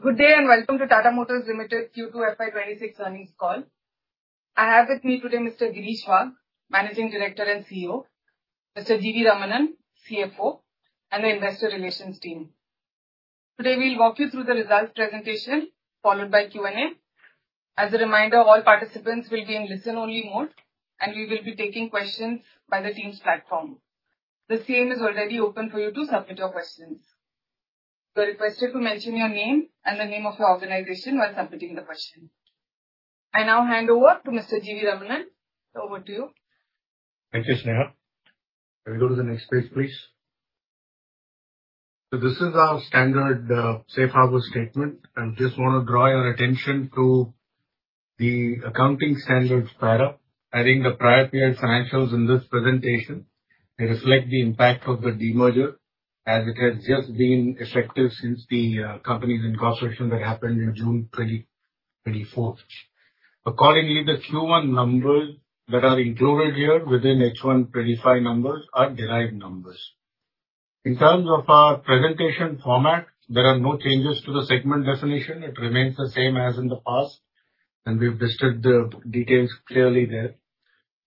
Good day and welcome to Tata Motors Limited Q2 FY 2026 earnings call. I have with me today Mr. Girish Wagh, Managing Director and CEO, Mr. G.V. Ramanan, CFO, and the Investor Relations Team. Today we'll walk you through the results presentation followed by Q&A. As a reminder, all participants will be in listen-only mode and we will be taking questions by the team's platform. The line is already open for you to submit your questions. You're requested to mention your name and the name of your organization while submitting the question. I now hand over to Mr. G.V. Ramanan. Over to you. Thank you, Sneha. Can we go to the next page, please? This is our standard safe harbor statement. I just want to draw your attention to the accounting standards para. I think the prior-period financials in this presentation reflect the impact of the demerger as it has just been effective since the company's incorporation that happened in June 2024. Accordingly, the Q1 numbers that are included here within H1 2025 numbers are derived numbers. In terms of our presentation format, there are no changes to the segment definition. It remains the same as in the past, and we've listed the details clearly there.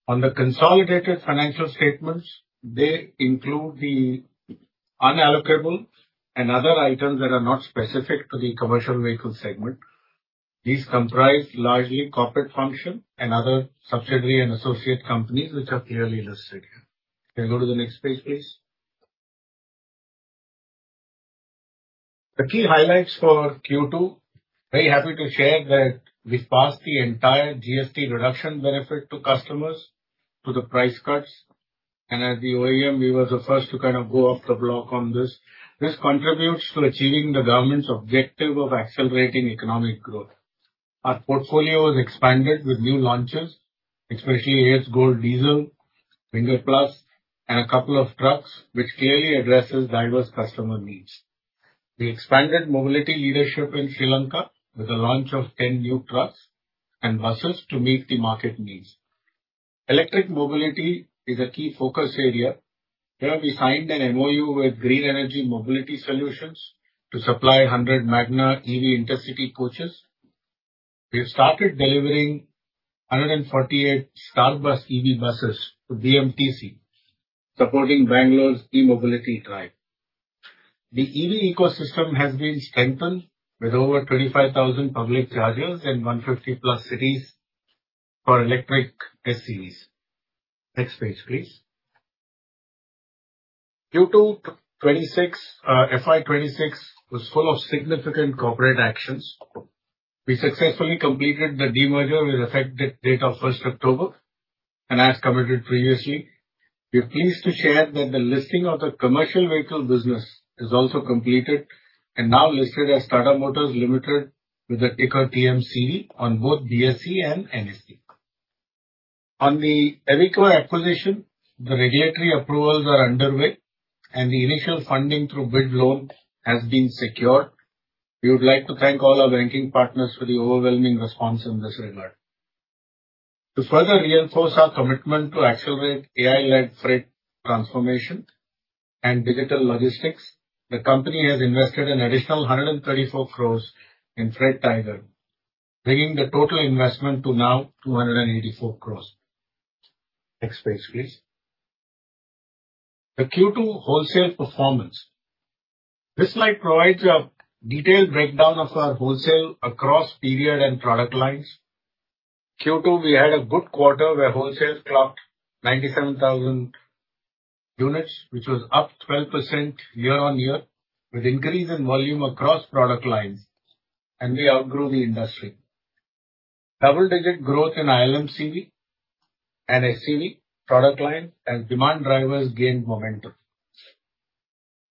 On the consolidated financial statements, they include the unallocable and other items that are not specific to the commercial vehicle segment. These comprise largely corporate function and other subsidiary and associate companies which are clearly listed here. Can you go to the next page, please? The key highlights for Q2, very happy to share that we've passed the entire GST reduction benefit to customers to the price cuts. And as the OEM, we were the first to kind of go off the block on this. This contributes to achieving the government's objective of accelerating economic growth. Our portfolio was expanded with new launches, especially Ace Gold Diesel, Winger Plus, and a couple of trucks which clearly addresses diverse customer needs. We expanded mobility leadership in Sri Lanka with the launch of 10 new trucks and buses to meet the market needs. Electric mobility is a key focus area. Here, we signed an MOU with Green Energy Mobility Solutions to supply 100 Magna EV Intercity coaches. We've started delivering 148 Starbus EV buses to BMTC, supporting Bangalore's e-mobility drive. The EV ecosystem has been strengthened with over 25,000 public chargers in 150+ cities for electric SUVs. Next page, please. Q2 FY 2026 was full of significant corporate actions. We successfully completed the demerger with effect date of 1st October. As committed previously, we're pleased to share that the listing of the commercial vehicle business is also completed and now listed as Tata Motors Limited with a Ticker TMCV on both BSE and NSE. On the Iveco acquisition, the regulatory approvals are underway, and the initial funding through bridge loan has been secured. We would like to thank all our banking partners for the overwhelming response in this regard. To further reinforce our commitment to accelerate AI-led freight transformation and digital logistics, the company has invested an additional 134 crore in Freight Tiger, bringing the total investment to now 284 crore. Next page, please. The Q2 wholesale performance. This slide provides a detailed breakdown of our wholesale across period and product lines. Q2, we had a good quarter where wholesale clocked 97,000 units, which was up 12% year-over-year with increase in volume across product lines, and we outgrew the industry. Double-digit growth in ILMCV and SCV product lines and demand drivers gained momentum.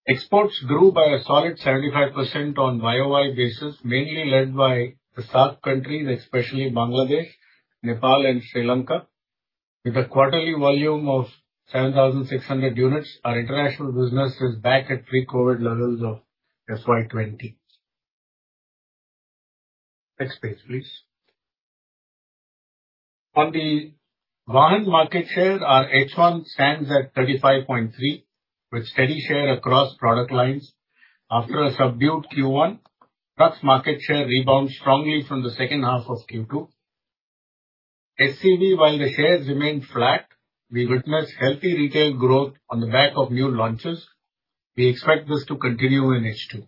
Exports grew by a solid 75% on YoY basis, mainly led by the SAARC countries, especially Bangladesh, Nepal, and Sri Lanka. With a quarterly volume of 7,600 units, our international business is back at pre-COVID levels of FY 2020. Next page, please. On the CV market share, our H1 stands at 35.3% with steady share across product lines. After a subdued Q1, trucks market share rebounded strongly from the second half of Q2. SCV, while the shares remained flat, we witnessed healthy retail growth on the back of new launches. We expect this to continue in H2.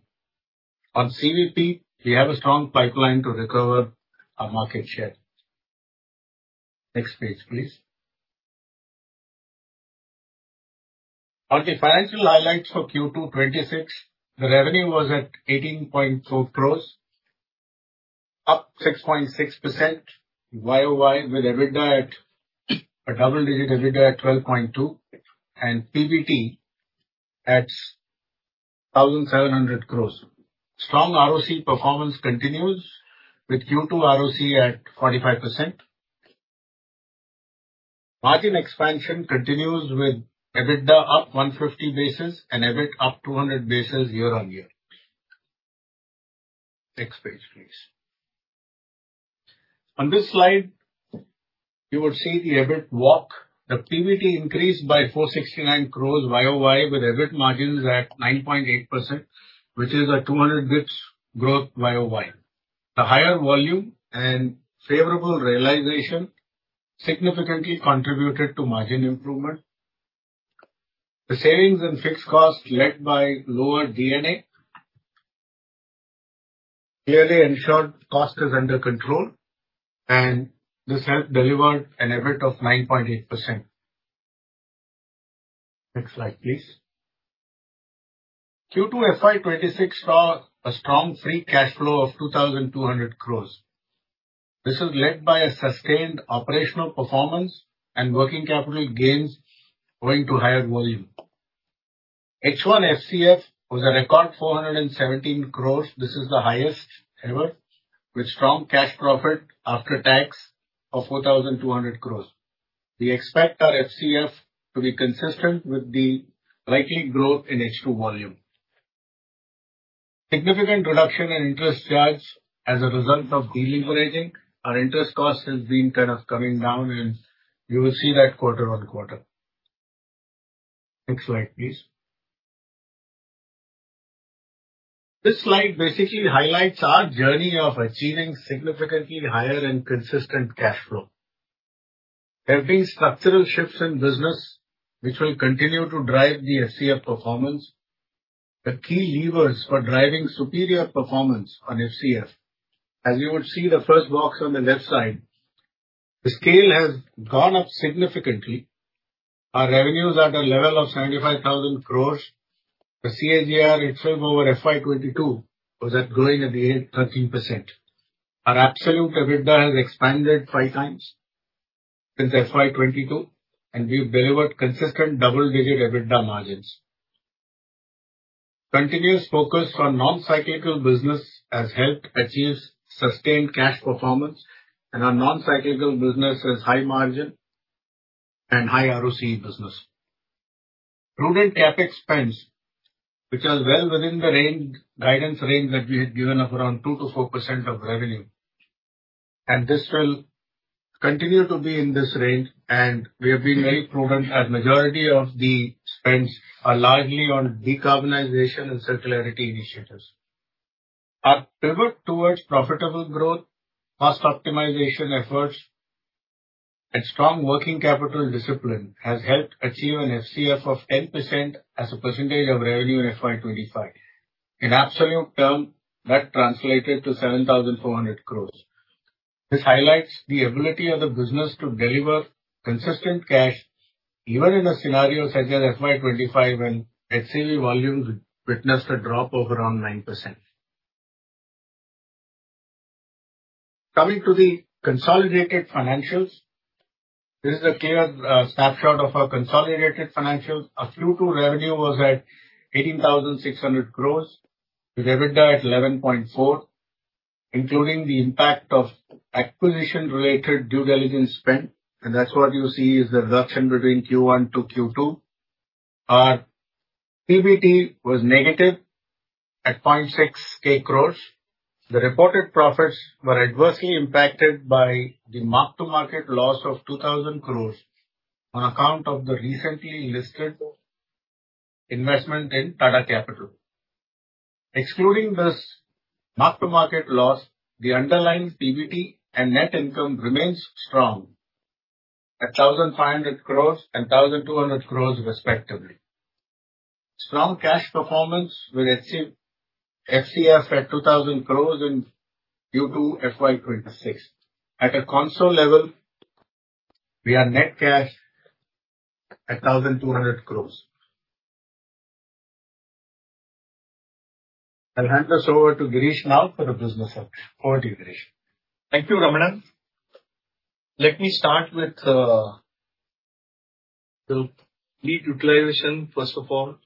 On CVP, we have a strong pipeline to recover our market share. Next page, please. On the financial highlights for Q2 2026, the revenue was at 18.4 crore, up 6.6% YoY with a double-digit EBITDA at 12.2% and PBT at 1,700 crore. Strong ROC performance continues with Q2 ROC at 45%. Margin expansion continues with EBITDA up 150 basis points and EBIT up 200 basis points year on year. Next page, please. On this slide, you would see the EBIT walk, the PBT increased by 469 crore YoY with EBIT margins at 9.8%, which is a 200 basis points growth YoY. The higher volume and favorable realization significantly contributed to margin improvement. The savings and fixed cost led by lower D&A clearly ensured cost is under control, and this helped deliver an EBIT of 9.8%. Next slide, please. Q2 FY 2026 saw a strong free cash flow of 2,200 crore. This is led by a sustained operational performance and working capital gains going to higher volume. H1 FCF was a record 417 crore. This is the highest ever with strong cash profit after tax of 4,200 crore. We expect our FCF to be consistent with the likely growth in H2 volume. Significant reduction in interest charges as a result of deleveraging. Our interest cost has been kind of coming down, and you will see that quarter-over-quarter. Next slide, please. This slide basically highlights our journey of achieving significantly higher and consistent cash flow. There have been structural shifts in business which will continue to drive the FCF performance. The key levers for driving superior performance on FCF, as you would see the first box on the left side, the scale has gone up significantly. Our revenues are at a level of 75,000 crore. The CAGR itself over FY 2022 was growing at a rate of 13%. Our absolute EBITDA has expanded five times since FY 2022, and we've delivered consistent double-digit EBITDA margins. Continuous focus on non-cyclical business has helped achieve sustained cash performance, and our non-cyclical business has high margin and high ROC business. Prudent CapEx spends, which are well within the guidance range that we had given of around 2%-4% of revenue, and this will continue to be in this range. We have been very prudent as the majority of the spends are largely on decarbonization and circularity initiatives. Our pivot towards profitable growth, cost optimization efforts, and strong working capital discipline has helped achieve an FCF of 10% as a percentage of revenue in FY 2025. In absolute terms, that translated to 7,400 crore. This highlights the ability of the business to deliver consistent cash even in a scenario such as FY 2025 when HCV volumes witnessed a drop of around 9%. Coming to the consolidated financials, this is a clear snapshot of our consolidated financials. Q2 revenue was at 18,600 crore with EBITDA at 11.4%, including the impact of acquisition-related due diligence spend. That's what you see is the reduction between Q1 to Q2. Our PBT was negative at 600 crore. The reported profits were adversely impacted by the mark-to-market loss of 2,000 crore on account of the recently listed investment in Tata Capital. Excluding this mark-to-market loss, the underlying PBT and net income remains strong at 1,500 crore and 1,200 crore, respectively. Strong cash performance with FCF at INR 2,000 crore in Q2 FY 2026. At a consolidated level, we are net cash at INR 1,200 crore. I'll hand this over to Girish now for the business. Over to you, Girish. Thank you, Ramanan. Let me start with the fleet utilization, first of all.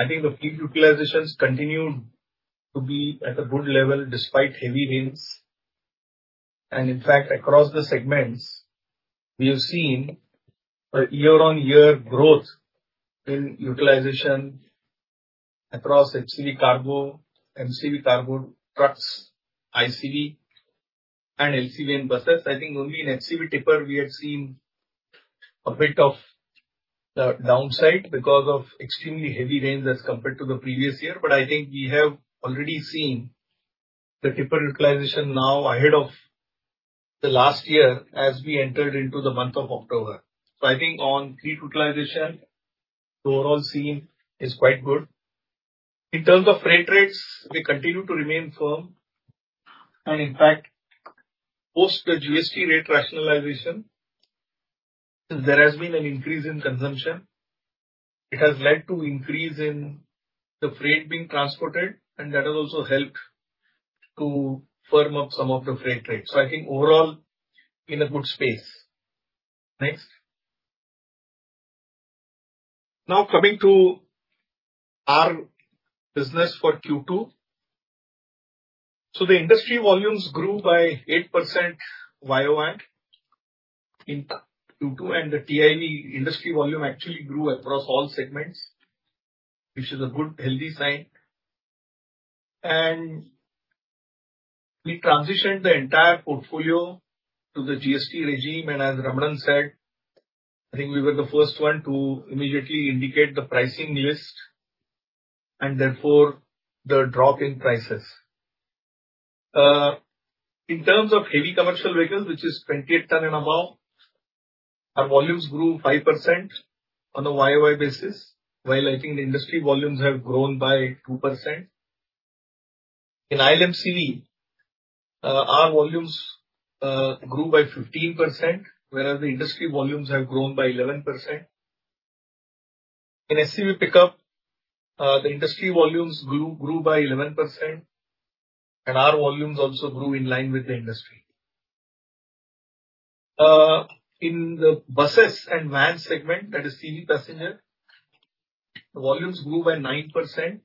I think the fleet utilizations continue to be at a good level despite heavy rains. In fact, across the segments, we have seen a year-on-year growth in utilization across HCV cargo, MCV cargo trucks, ICV, and LCV and buses. I think only in HCV tipper we had seen a bit of downside because of extremely heavy rains as compared to the previous year. I think we have already seen the tipper utilization now ahead of the last year as we entered into the month of October. I think on fleet utilization, the overall scene is quite good. In terms of freight rates, they continue to remain firm. And in fact, post the GST rate rationalization, since there has been an increase in consumption, it has led to an increase in the freight being transported, and that has also helped to firm up some of the freight rates. So I think overall, in a good space. Next. Now, coming to our business for Q2. So the industry volumes grew by 8% YoY in Q2, and the TIV industry volume actually grew across all segments, which is a good, healthy sign. And we transitioned the entire portfolio to the GST regime. And as Ramanan said, I think we were the first one to immediately indicate the pricing list and therefore the drop in prices. In terms of heavy commercial vehicles, which is 28 ton and above, our volumes grew 5% on a YoY basis, while I think the industry volumes have grown by 2%. In ILMCV, our volumes grew by 15%, whereas the industry volumes have grown by 11%. In SCV pickup, the industry volumes grew by 11%, and our volumes also grew in line with the industry. In the buses and vans segment, that is CV passenger, the volumes grew by 9%.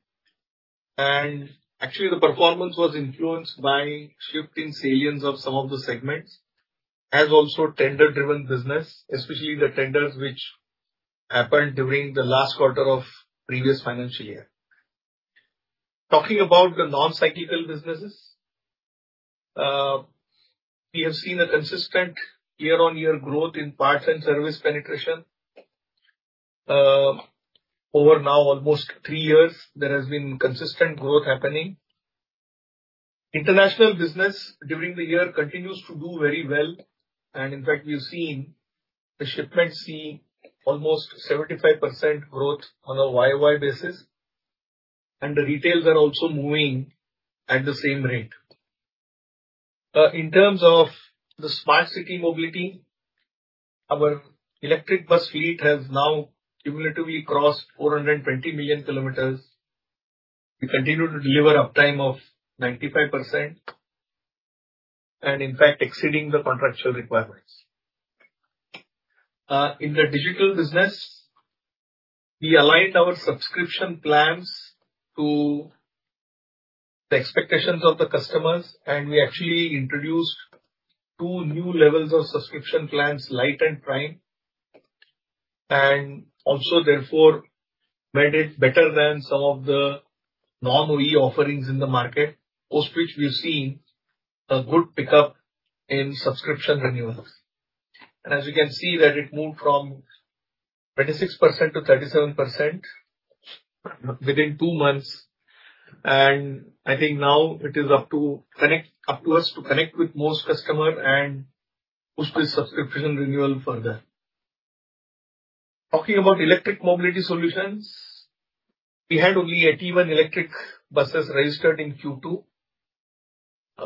Actually, the performance was influenced by a shift in salience of some of the segments as also tender-driven business, especially the tenders which happened during the last quarter of the previous financial year. Talking about the non-cyclical businesses, we have seen a consistent year-over-year growth in parts and service penetration. Over now, almost three years, there has been consistent growth happening. International business during the year continues to do very well. In fact, we have seen the shipments see almost 75% growth on a YoY basis, and the retails are also moving at the same rate. In terms of the smart city mobility, our electric bus fleet has now cumulatively crossed 420 million km. We continue to deliver an uptime of 95% and, in fact, exceeding the contractual requirements. In the digital business, we aligned our subscription plans to the expectations of the customers, and we actually introduced two new levels of subscription plans, Light and Prime, and also therefore made it better than some of the non-OE offerings in the market, post which we have seen a good pickup in subscription renewals. As you can see, it moved from 26%-37% within two months. I think now it is up to us to connect with most customers and push this subscription renewal further. Talking about electric mobility solutions, we had only 81 electric buses registered in Q2,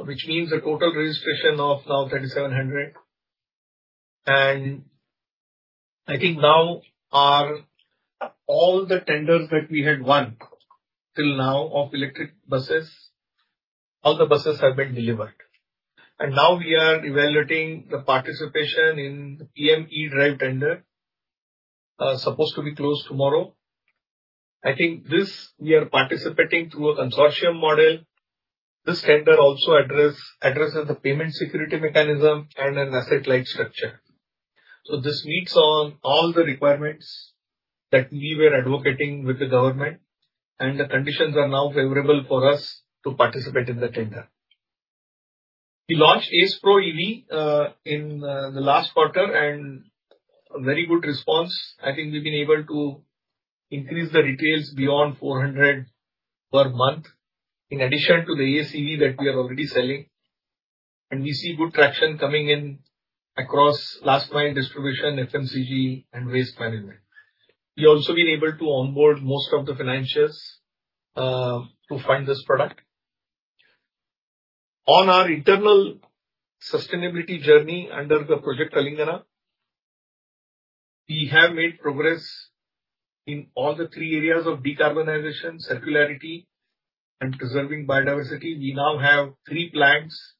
which means a total registration of now 3,700. I think now all the tenders that we had won till now of electric buses, all the buses have been delivered. Now we are evaluating the participation in the PM E-DRIVE tender, supposed to be closed tomorrow. I think we are participating through a consortium model. This tender also addresses the payment security mechanism and an asset-like structure. So this meets all the requirements that we were advocating with the government, and the conditions are now favorable for us to participate in the tender. We launched Ace Pro EV in the last quarter, and a very good response. I think we've been able to increase the retails beyond 400 per month in addition to the Ace EV that we are already selling. We see good traction coming in across last-mile distribution, FMCG, and waste management. We've also been able to onboard most of the financials to fund this product. On our internal sustainability journey under the Project Aalingana, we have made progress in all the three areas of decarbonization, circularity, and preserving biodiversity. We now have three plants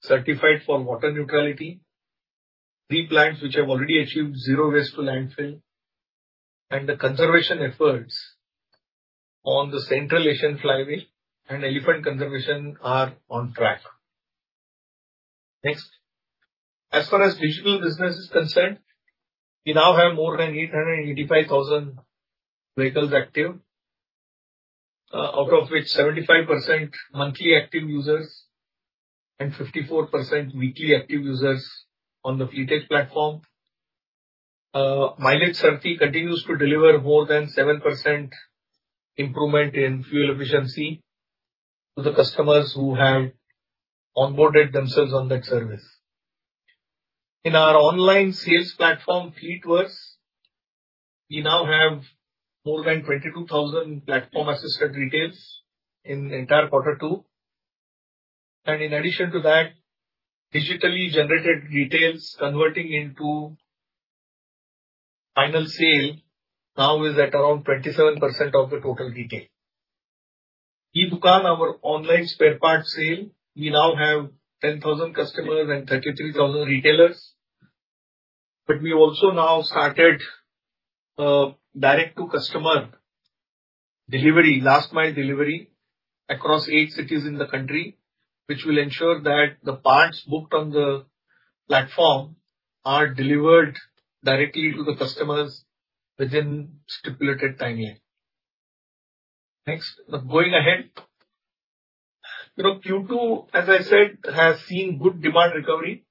certified for water neutrality, three plants which have already achieved zero waste to landfill. And the conservation efforts on the Central Asian Flyway and elephant conservation are on track. Next. As far as digital business is concerned, we now have more than 885,000 vehicles active, out of which 75% monthly active users and 54% weekly active users on the Fleet Edge platform. Mileage Sarathi continues to deliver more than 7% improvement in fuel efficiency to the customers who have onboarded themselves on that service. In our online sales platform, Fleet Edge, we now have more than 22,000 platform-assisted retails in the entire quarter two. In addition to that, digitally generated retails converting into final sale now is at around 27% of the total retail. E-Dukaan, our online spare part sale, we now have 10,000 customers and 33,000 retailers. We also now started direct-to-customer delivery, last-mile delivery, across eight cities in the country, which will ensure that the parts booked on the platform are delivered directly to the customers within a stipulated timeline. Next. Going ahead. Q2, as I said, has seen good demand recovery,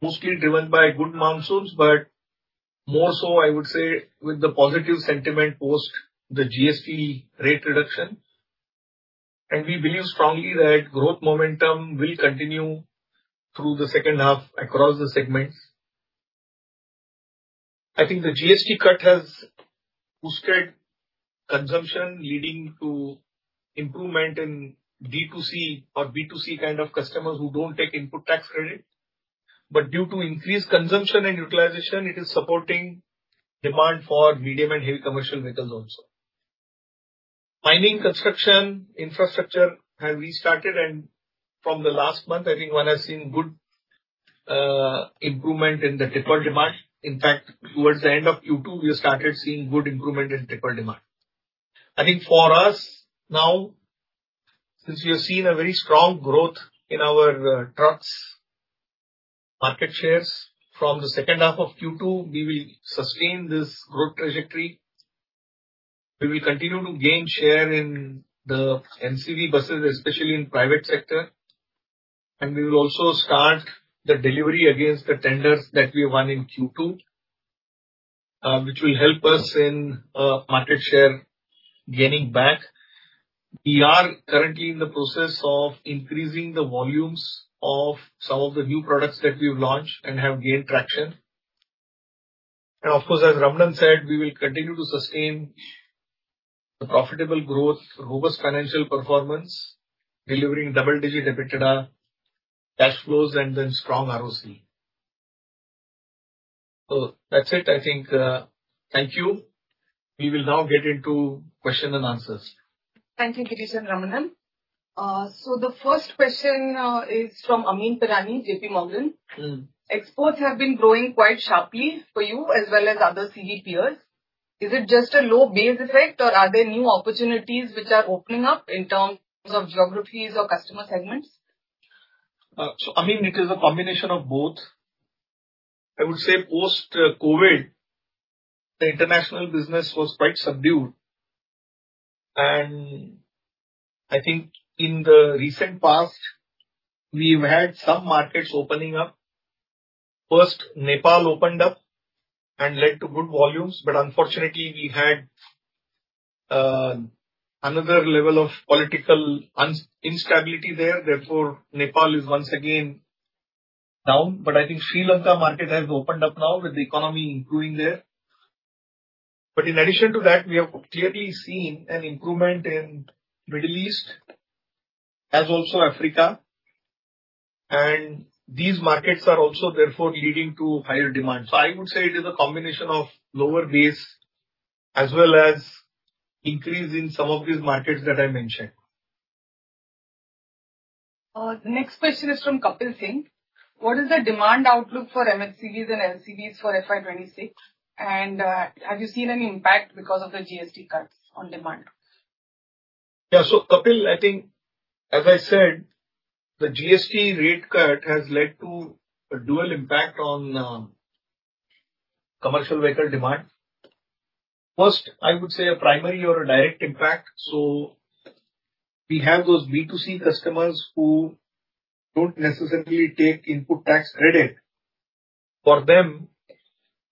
mostly driven by good monsoons, but more so, I would say, with the positive sentiment post the GST rate reduction. We believe strongly that growth momentum will continue through the second half across the segments. I think the GST cut has boosted consumption, leading to improvement in D2C or B2C kind of customers who don't take input tax credit. Due to increased consumption and utilization, it is supporting demand for medium and heavy commercial vehicles also. Mining, construction, infrastructure have restarted. From the last month, I think one has seen good improvement in the tipper demand. In fact, towards the end of Q2, we started seeing good improvement in tipper demand. I think for us now, since we have seen a very strong growth in our trucks market shares from the second half of Q2, we will sustain this growth trajectory. We will continue to gain share in the MCV buses, especially in the private sector. We will also start the delivery against the tenders that we won in Q2, which will help us in market share gaining back. We are currently in the process of increasing the volumes of some of the new products that we have launched and have gained traction. And of course, as Ramanan said, we will continue to sustain the profitable growth, robust financial performance, delivering double-digit EBITDA, cash flows, and then strong ROC. So that's it, I think. Thank you. We will now get into questions and answers. Thank you, Girish and Ramanan. So the first question is from Amyn Pirani, JPMorgan. Exports have been growing quite sharply for you as well as other CV peers. Is it just a low base effect, or are there new opportunities which are opening up in terms of geographies or customer segments? So Amyn, it is a combination of both. I would say post-COVID, the international business was quite subdued. And I think in the recent past, we have had some markets opening up. First, Nepal opened up and led to good volumes. But unfortunately, we had another level of political instability there. Therefore, Nepal is once again down. But I think Sri Lanka market has opened up now with the economy improving there. But in addition to that, we have clearly seen an improvement in the Middle East as also Africa. And these markets are also therefore leading to higher demand. So I would say it is a combination of lower base as well as an increase in some of these markets that I mentioned. The next question is from Kapil Singh. What is the demand outlook for MHCVs and LCVs for FY 2026? And have you seen any impact because of the GST cuts on demand? Yeah. So Kapil, I think, as I said, the GST rate cut has led to a dual impact on commercial vehicle demand. First, I would say a primary or a direct impact. So we have those B2C customers who don't necessarily take input tax credit. For them,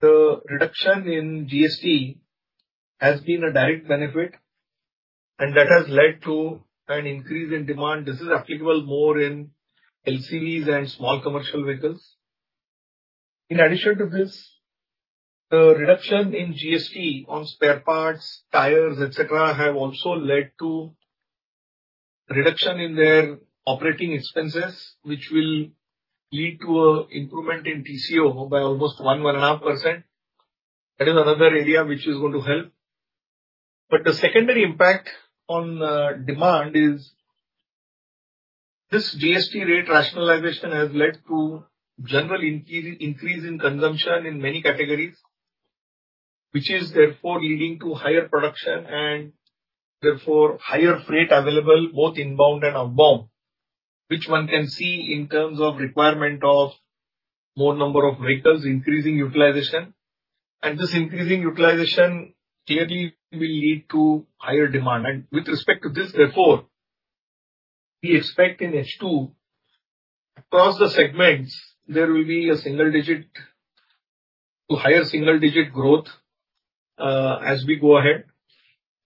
the reduction in GST has been a direct benefit, and that has led to an increase in demand. This is applicable more in LCVs and small commercial vehicles. In addition to this, the reduction in GST on spare parts, tires, etc., has also led to a reduction in their operating expenses, which will lead to an improvement in TCO by almost 1%-1.5%. That is another area which is going to help. But the secondary impact on demand is this GST rate rationalization has led to a general increase in consumption in many categories, which is therefore leading to higher production and therefore higher freight available, both inbound and outbound, which one can see in terms of the requirement of a more number of vehicles, increasing utilization. And this increasing utilization clearly will lead to higher demand. With respect to this, therefore, we expect in H2, across the segments, there will be a higher single-digit growth as we go ahead.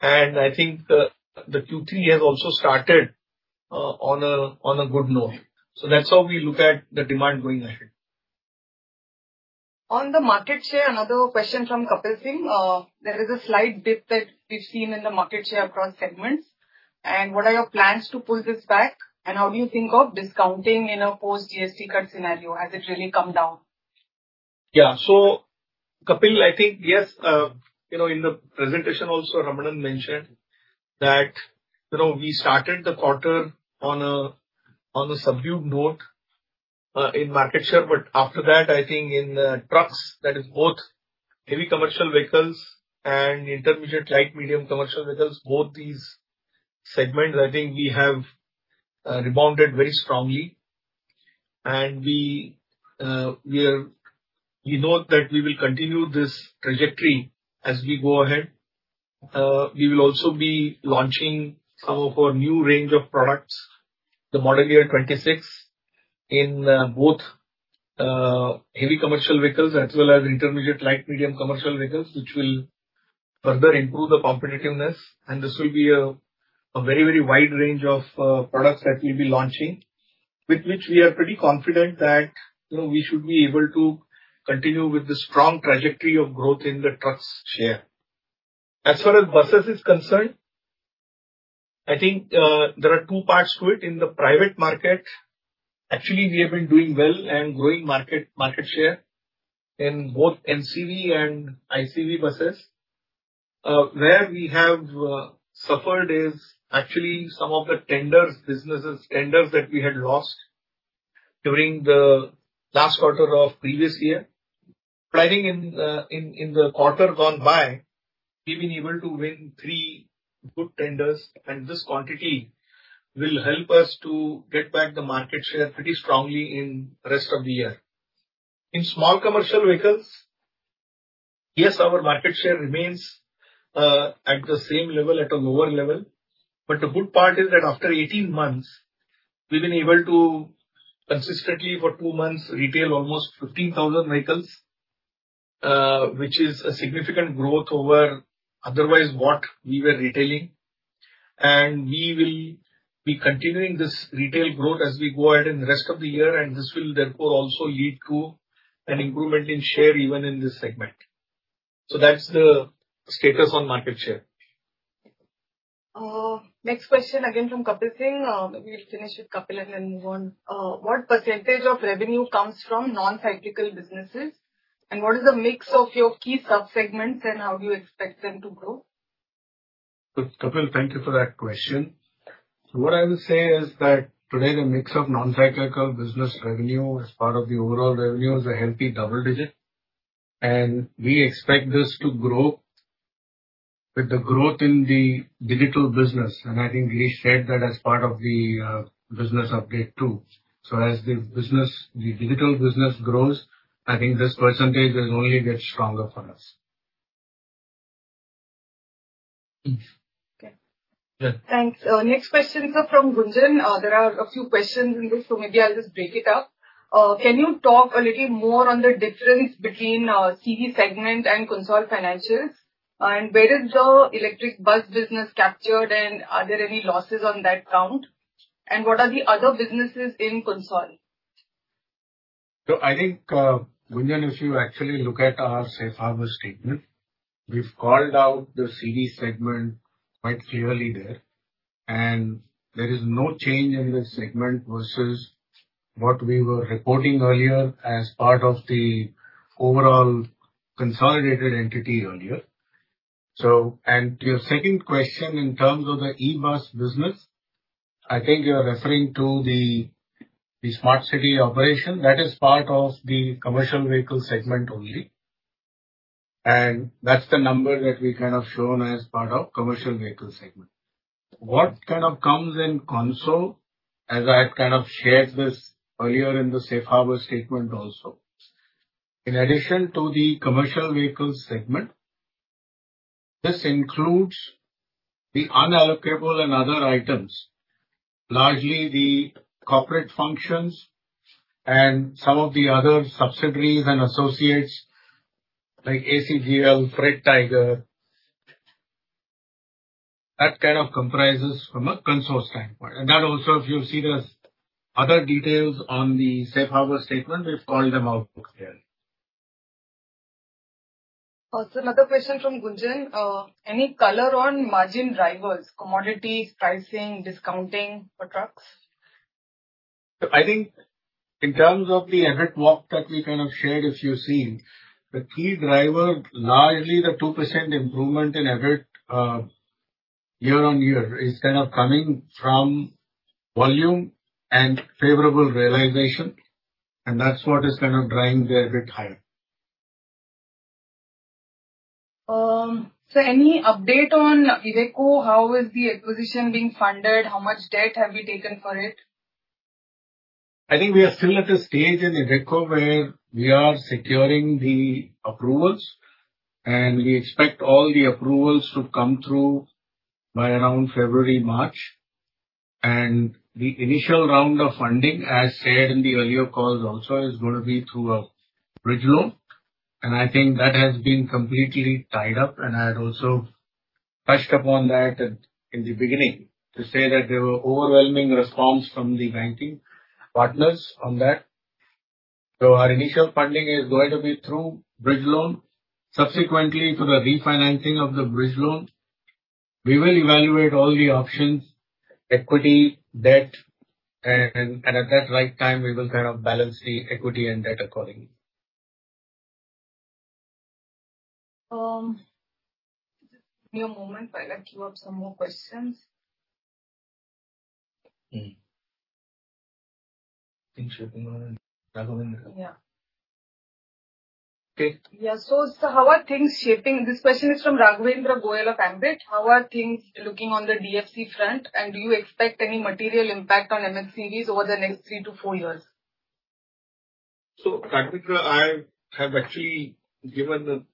And I think the Q3 has also started on a good note. So that's how we look at the demand going ahead. On the market share, another question from Kapil Singh. There is a slight dip that we've seen in the market share across segments. And what are your plans to pull this back? And how do you think of discounting in a post-GST cut scenario? Has it really come down? Yeah. So Kapil, I think, yes, in the presentation also, Ramanan mentioned that we started the quarter on a subdued note in market share. But after that, I think in trucks, that is both heavy commercial vehicles and intermediate light medium commercial vehicles, both these segments, I think we have rebounded very strongly. We know that we will continue this trajectory as we go ahead. We will also be launching some of our new range of products, the model year 2026, in both heavy commercial vehicles as well as intermediate light medium commercial vehicles, which will further improve the competitiveness. This will be a very, very wide range of products that we'll be launching, with which we are pretty confident that we should be able to continue with the strong trajectory of growth in the trucks share. As far as buses is concerned, I think there are two parts to it. In the private market, actually, we have been doing well and growing market share in both MCV and ICV buses. Where we have suffered is actually some of the tenders businesses, tenders that we had lost during the last quarter of the previous year. Planning in the quarter gone by, we've been able to win three good tenders. This quantity will help us to get back the market share pretty strongly in the rest of the year. In small commercial vehicles, yes, our market share remains at the same level, at a lower level. The good part is that after 18 months, we've been able to consistently for two months retail almost 15,000 vehicles, which is a significant growth over otherwise what we were retailing. We will be continuing this retail growth as we go ahead in the rest of the year. This will therefore also lead to an improvement in share even in this segment. That's the status on market share. Next question again from Kapil Singh. We'll finish with Kapil and then move on. What percentage of revenue comes from non-cyclical businesses? And what is the mix of your key subsegments, and how do you expect them to grow? So Kapil, thank you for that question. What I will say is that today, the mix of non-cyclical business revenue as part of the overall revenue is a healthy double-digit. And we expect this to grow with the growth in the digital business. And I think Girish said that as part of the business update too. So as the digital business grows, I think this percentage only gets stronger for us. Okay. Thanks. Next questions are from Gunjan. There are a few questions in this, so maybe I'll just break it up. Can you talk a little more on the difference between CV segment and consolidated financials? And where is the electric bus business captured, and are there any losses on that count? And what are the other businesses in consolidated? I think, Gunjan, if you actually look at our Safe Harbor statement, we've called out the CV segment quite clearly there. There is no change in this segment versus what we were reporting earlier as part of the overall consolidated entity earlier. Your second question, in terms of the e-bus business, I think you're referring to the smart city operation. That is part of the commercial vehicle segment only. That's the number that we kind of shown as part of the commercial vehicle segment. What kind of comes in consolidated, as I had kind of shared this earlier in the Safe Harbor statement also? In addition to the commercial vehicle segment, this includes the unallocable and other items, largely the corporate functions and some of the other subsidiaries and associates like ACGL, Freight Tiger. That kind of comprises from a consolidated standpoint. That also, if you've seen other details on the Safe Harbor statement, we've called them out there. Also, another question from Gunjan. Any color on margin drivers, commodities, pricing, discounting for trucks? I think in terms of the average walk that we kind of shared, if you've seen, the key driver, largely the 2% improvement in average year-on-year, is kind of coming from volume and favorable realization. And that's what is kind of driving there a bit higher. Any update on Iveco? How is the acquisition being funded? How much debt have we taken for it? I think we are still at a stage in Iveco where we are securing the approvals. And we expect all the approvals to come through by around February, March. The initial round of funding, as said in the earlier calls also, is going to be through a bridge loan. I think that has been completely tied up. I had also touched upon that in the beginning to say that there were overwhelming responses from the banking partners on that. So our initial funding is going to be through bridge loan. Subsequently, for the refinancing of the bridge loan, we will evaluate all the options, equity, debt. At that right time, we will kind of balance the equity and debt accordingly. Just give me a moment while I queue up some more questions. Things shaping on. Raghvendra? Yeah. Okay. Yeah. So how are things shaping? This question is from Raghvendra Goyal of Ambit. How are things looking on the DFC front? Do you expect any material impact on MHCVs over the next three to four years? So Raghvendra, I have actually given a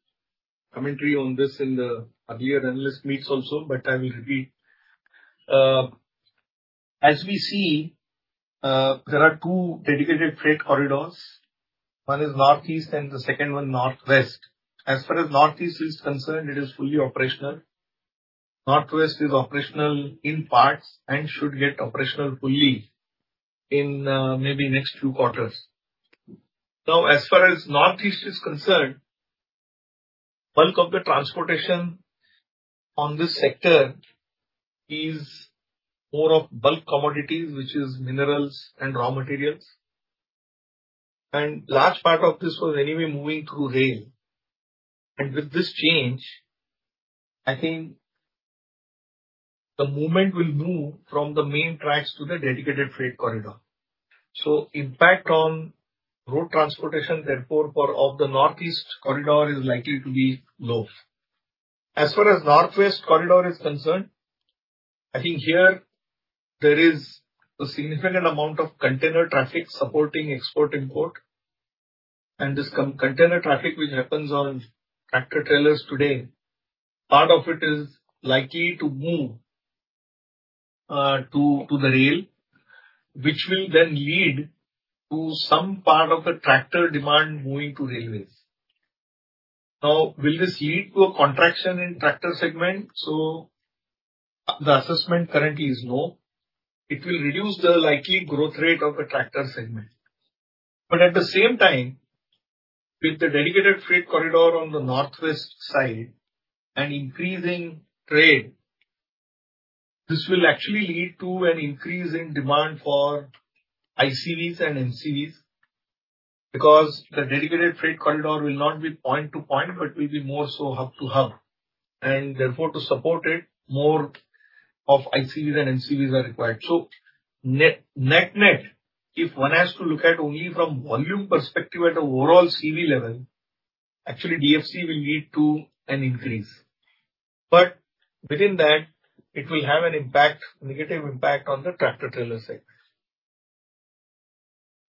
commentary on this in the earlier analyst meets also, but I will repeat. As we see, there are two dedicated freight corridors. One is Northeast and the second one Northwest. As far as Northeast is concerned, it is fully operational. Northwest is operational in parts and should get operational fully in maybe the next few quarters. Now, as far as Northeast is concerned, bulk of the transportation on this sector is more of bulk commodities, which is minerals and raw materials. And a large part of this was anyway moving through rail. And with this change, I think the movement will move from the main tracks to the dedicated freight corridor. So the impact on road transportation, therefore, of the Northeast corridor is likely to be low. As far as the northwest corridor is concerned, I think here there is a significant amount of container traffic supporting export-import. This container traffic, which happens on tractor-trailers today, part of it is likely to move to the rail, which will then lead to some part of the tractor demand moving to railways. Now, will this lead to a contraction in the tractor segment? The assessment currently is no. It will reduce the likely growth rate of the tractor segment. At the same time, with the dedicated freight corridor on the northwest side and increasing trade, this will actually lead to an increase in demand for ICVs and MCVs because the dedicated freight corridor will not be point-to-point, but will be more so hub-to-hub. Therefore, to support it, more of ICVs and MCVs are required. So net-net, if one has to look at only from a volume perspective at an overall CV level, actually, DFC will lead to an increase. But within that, it will have a negative impact on the tractor-trailer segment.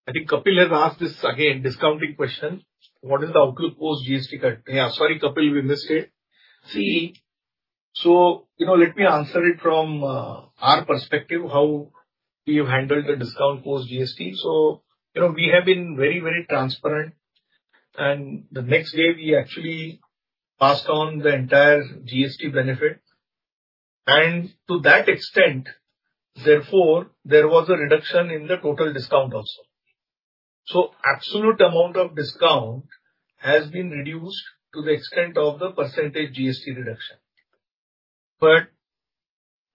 I think Kapil has asked this again, discounting question. What is the outlook post-GST cut? Yeah. Sorry, Kapil, we missed it. See, so let me answer it from our perspective, how we have handled the discount post-GST. So we have been very, very transparent. And the next day, we actually passed on the entire GST benefit. And to that extent, therefore, there was a reduction in the total discount also. So the absolute amount of discount has been reduced to the extent of the percentage GST reduction. But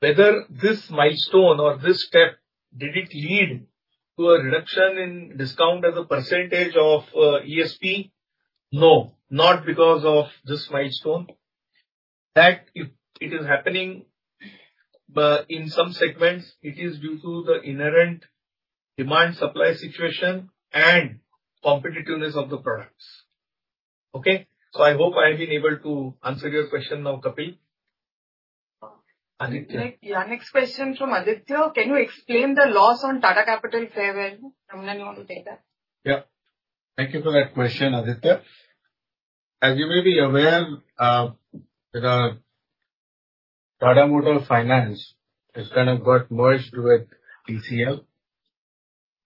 whether this milestone or this step did it lead to a reduction in discount as a percentage of ASP? No, not because of this milestone. That if it is happening in some segments, it is due to the inherent demand-supply situation and competitiveness of the products. Okay? So I hope I have been able to answer your question now, Kapil. Aditya? Yeah. Next question from Aditya. Can you explain the loss on Tata Capital fair value? Ramanan, you want to take that? Yeah. Thank you for that question, Aditya. As you may be aware, Tata Motors Finance has kind of got merged with TCL.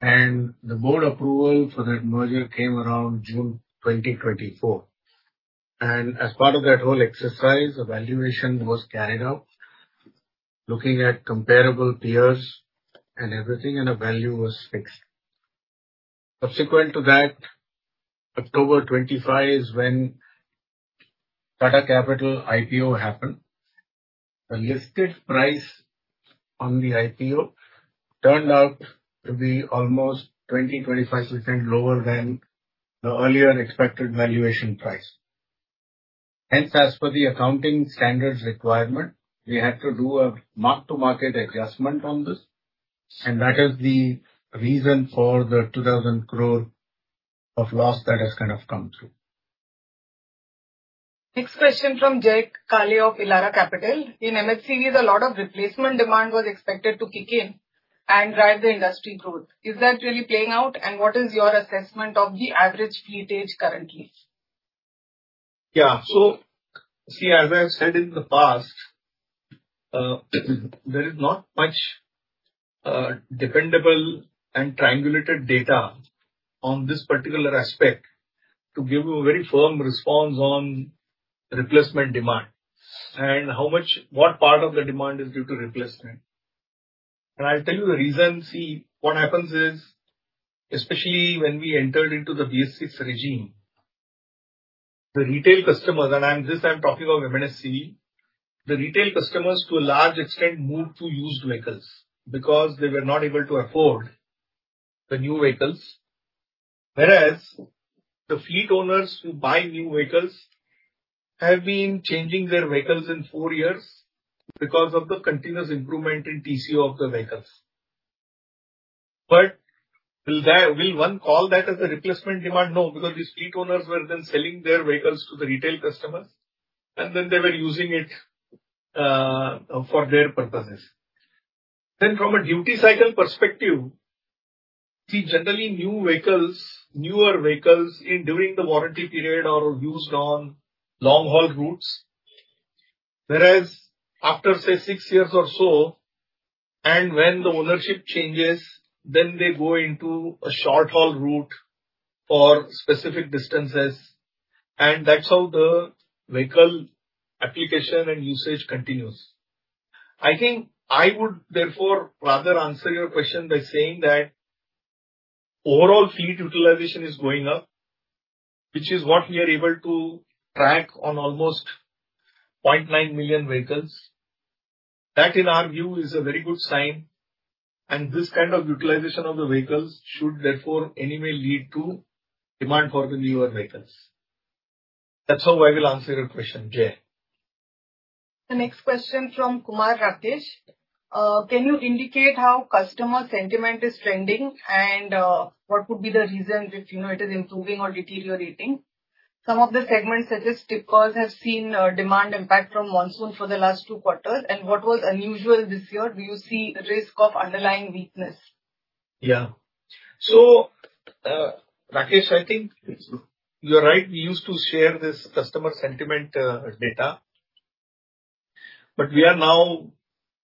The board approval for that merger came around June 2024. As part of that whole exercise, a valuation was carried out looking at comparable peers and everything, and a value was fixed. Subsequent to that, October 25 is when Tata Capital IPO happened. The listed price on the IPO turned out to be almost 20%-25% lower than the earlier expected valuation price. Hence, as per the accounting standards requirement, we had to do a mark-to-market adjustment on this. And that is the reason for the 2,000 crore of loss that has kind of come through. Next question from Jay Kale of Elara Capital. In MHCVs, a lot of replacement demand was expected to kick in and drive the industry growth. Is that really playing out? And what is your assessment of the average fleet age currently? Yeah. So see, as I have said in the past, there is not much dependable and triangulated data on this particular aspect to give you a very firm response on replacement demand and what part of the demand is due to replacement. And I'll tell you the reason. See, what happens is, especially when we entered into the BS6 regime, the retail customers—and this I'm talking of MHCV—the retail customers, to a large extent, moved to used vehicles because they were not able to afford the new vehicles. Whereas the fleet owners who buy new vehicles have been changing their vehicles in four years because of the continuous improvement in TCO of the vehicles. But will one call that as a replacement demand? No, because these fleet owners were then selling their vehicles to the retail customers, and then they were using it for their purposes. Then, from a duty cycle perspective, see, generally, newer vehicles during the warranty period are used on long-haul routes. Whereas after, say, six years or so, and when the ownership changes, then they go into a short-haul route for specific distances. And that's how the vehicle application and usage continues. I think I would, therefore, rather answer your question by saying that overall fleet utilization is going up, which is what we are able to track on almost 0.9 million vehicles. That, in our view, is a very good sign. And this kind of utilization of the vehicles should, therefore, anyway lead to demand for the newer vehicles. That's how I will answer your question, Jay. The next question from Kumar Rakesh. Can you indicate how customer sentiment is trending and what would be the reason if it is improving or deteriorating? Some of the segments, such as tippers, have seen demand impact from monsoon for the last two quarters. And what was unusual this year? Do you see a risk of underlying weakness? Yeah. So Rakesh, I think you're right. We used to share this customer sentiment data. But we are now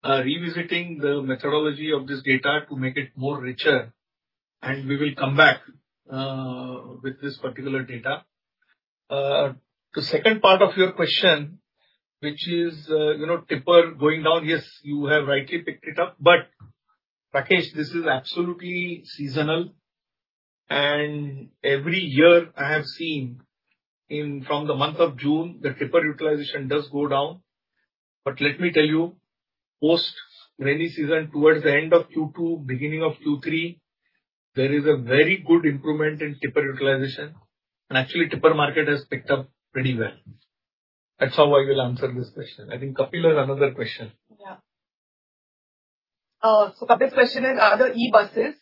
revisiting the methodology of this data to make it more richer. We will come back with this particular data. The second part of your question, which is tipper going down, yes, you have rightly picked it up. But Rakesh, this is absolutely seasonal. Every year, I have seen from the month of June, the tipper utilization does go down. But let me tell you, post-rainy season, towards the end of Q2, beginning of Q3, there is a very good improvement in tipper utilization. Actually, the tipper market has picked up pretty well. That's how I will answer this question. I think Kapil has another question. Yeah. Kapil's question is, are the e-buses,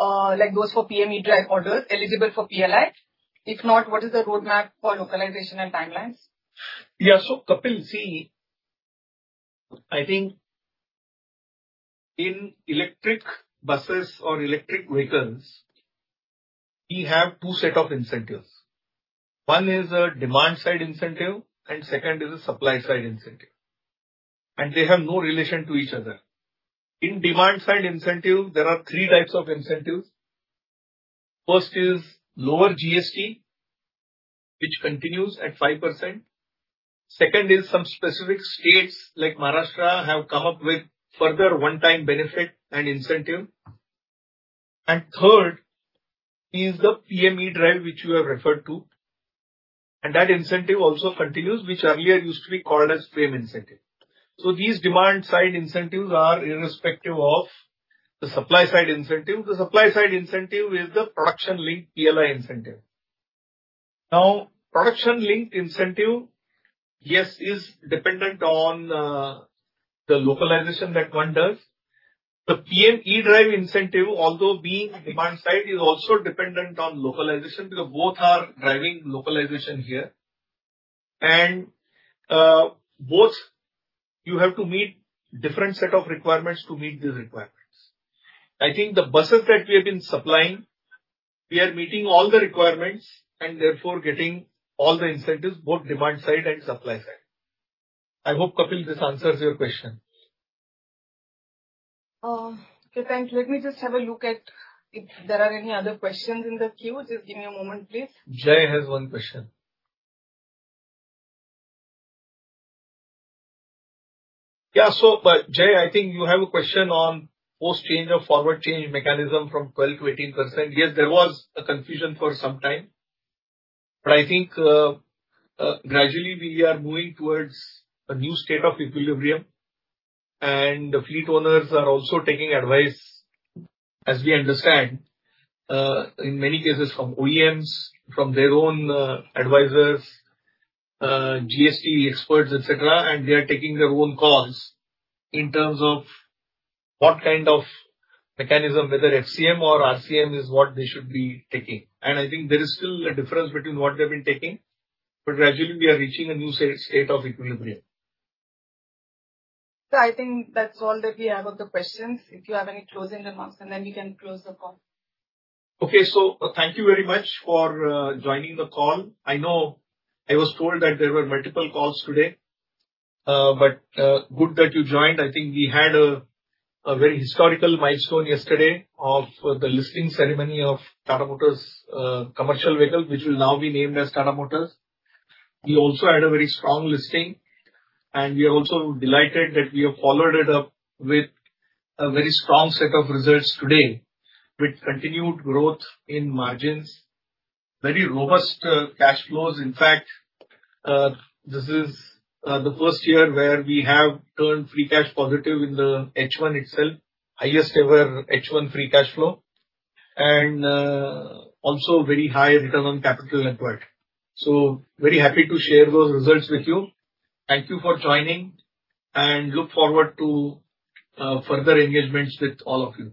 like those for PM E-DRIVE orders, eligible for PLI? If not, what is the roadmap for localization and timelines? Yeah. So Kapil, see, I think in electric buses or electric vehicles, we have two sets of incentives. One is a demand-side incentive, and second is a supply-side incentive. They have no relation to each other. In demand-side incentives, there are three types of incentives. First is lower GST, which continues at 5%. Second is some specific states like Maharashtra have come up with further one-time benefit and incentive. Third is the PM E-DRIVE, which you have referred to. That incentive also continues, which earlier used to be called a FAME incentive. So these demand-side incentives are irrespective of the supply-side incentive. The supply-side incentive is the production-linked PLI incentive. Now, the production-linked incentive, yes, is dependent on the localization that one does. The PM E-DRIVE incentive, although being demand-side, is also dependent on localization because both are driving localization here. Both, you have to meet a different set of requirements to meet these requirements. I think the buses that we have been supplying, we are meeting all the requirements and, therefore, getting all the incentives, both demand-side and supply-side. I hope, Kapil, this answers your question. Kritank, let me just have a look at if there are any other questions in the queue. Just give me a moment, please. Jay has one question. Yeah. Jay, I think you have a question on post-change or forward-change mechanism from 12%-18%. Yes, there was a confusion for some time. I think gradually, we are moving towards a new state of equilibrium. The fleet owners are also taking advice, as we understand, in many cases, from OEMs, from their own advisors, GST experts, etc. They are taking their own calls in terms of what kind of mechanism, whether FCM or RCM, is what they should be taking. And I think there is still a difference between what they have been taking. But gradually, we are reaching a new state of equilibrium. So I think that's all that we have of the questions. If you have any closing remarks, and then we can close the call. Okay. So thank you very much for joining the call. I know I was told that there were multiple calls today. But good that you joined. I think we had a very historical milestone yesterday of the listing ceremony of Tata Motors' Commercial Vehicle, which will now be named as Tata Motors. We also had a very strong listing. We are also delighted that we have followed it up with a very strong set of results today with continued growth in margins, very robust cash flows. In fact, this is the first year where we have turned free cash positive in the H1 itself, the highest-ever H1 free cash flow, and also a very high return on capital acquired. I'm very happy to share those results with you. Thank you for joining. I look forward to further engagements with all of you.